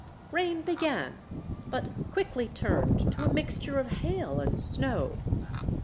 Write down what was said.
Rain began, but quickly turned to a mixture of hail and snow.